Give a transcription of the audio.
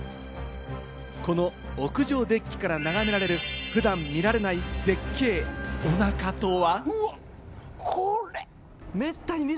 この屋上デッキから眺められる普段見られない絶景、おなかとは？